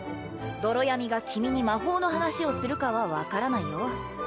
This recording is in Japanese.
泥闇が君に魔法の話をするかは分からないよ